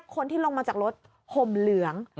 คนที่ลงมาจากรถห่มเหลือง